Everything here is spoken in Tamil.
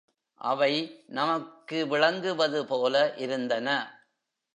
அவை நமக்கு விளங்குவதுபோல இருந்தன.